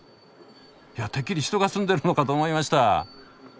いやてっきり人が住んでるのかと思いました。